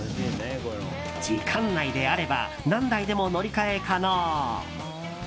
時間内であれば何台でも乗り換え可能。